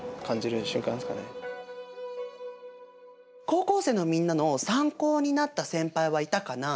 高校生のみんなの参考になった先輩はいたかな？